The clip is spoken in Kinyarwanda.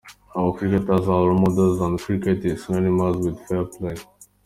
Our cricketers are role models and cricket is synonymous with fair play.